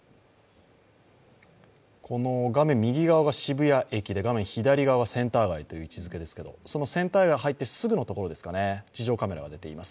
この画面右側が渋谷駅で、画面左側がセンター街という位置づけですが、そのセンター街入ってすぐのところですかね、地上カメラが出ています。